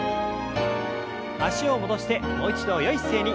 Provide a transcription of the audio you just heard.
脚を戻してもう一度よい姿勢に。